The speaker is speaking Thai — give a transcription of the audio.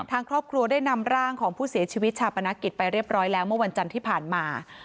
ทางครอบครัวได้นำร่างของผู้เสียชีวิตชาปนกิจไปเรียบร้อยแล้วเมื่อวันจันทร์ที่ผ่านมา